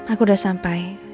aku udah sampai